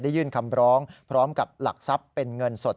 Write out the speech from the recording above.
ยื่นคำร้องพร้อมกับหลักทรัพย์เป็นเงินสด